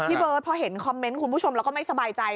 เบิร์ตพอเห็นคอมเมนต์คุณผู้ชมแล้วก็ไม่สบายใจ